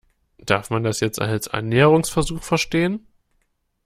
Darf man das jetzt als Annäherungsversuch verstehen?